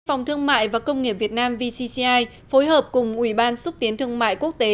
phòng thương mại và công nghiệp việt nam vcci phối hợp cùng ủy ban xúc tiến thương mại quốc tế